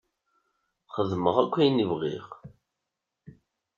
Xedmeɣ akk ayen i bɣiɣ.